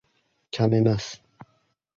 Kam emas.